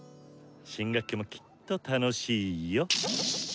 新学期もきっと楽しいよ！